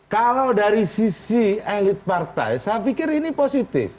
kalau dari sisi elit partai saya pikir ini positif